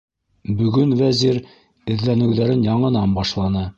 Бөгөн Вәзир эҙләнеүҙәрен яңынан башланы.